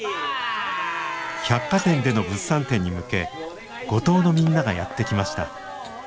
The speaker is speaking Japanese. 百貨店での物産展に向け五島のみんながやって来ました。